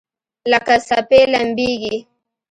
لکه څپې لمبیږي